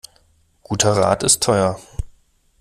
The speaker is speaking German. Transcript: Guter Rat ist teuer.